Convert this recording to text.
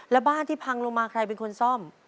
แล้วบ้านที่พังลงมาใครเป็นคนซ่อม